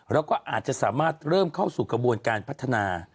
แล้วก็อาจจะสามารถเริ่มเข้าสู่กระบวนการพัฒนา